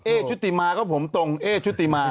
ชุติมาก็ผมตรงเอ๊ชุติมา